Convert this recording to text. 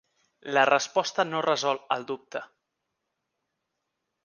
La resposta no resol el dubte.